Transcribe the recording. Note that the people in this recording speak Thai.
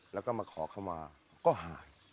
แล้วก็มาขอเข้ามาก็หาย